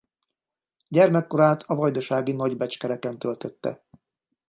Gyermekkorát a vajdasági Nagybecskereken töltötte.